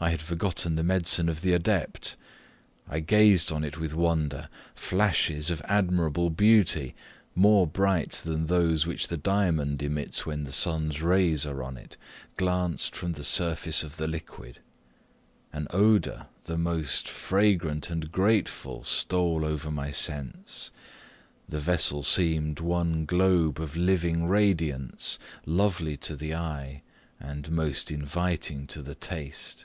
I had forgotten the medicine of the adept; I gazed on it with wonder: flashes of admirable beauty, more bright than those which the diamond emits when the sun's rays are on it, glanced from the surface of the liquid; an odour the most fragrant and grateful stole over my sense; the vessel seemed one globe of living radiance, lovely to the eye, and most inviting to the taste.